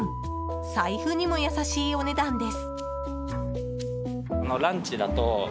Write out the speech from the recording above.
財布にも優しいお値段です。